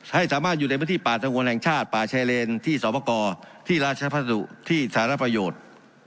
ให้สามารถอยู่ในพื้นที่ป่าสงวนแห่งชาติป่าชายเลนที่สอบประกอบที่ราชพัสดุที่สารประโยชน์